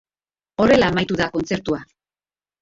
Horrela amaitu da kontzertua.